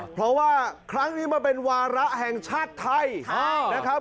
เพราะว่าครั้งนี้มันเป็นวาระแห่งชาติไทยนะครับ